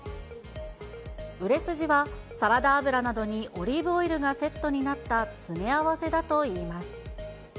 売れ筋は、サラダ油などにオリーブオイルがセットになった詰め合わせだといいます。